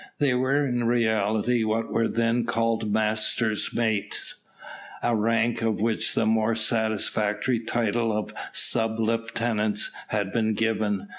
They were in reality, what were then called master's mates, a rank to which the more satisfactory title of sub lieutenants has been given.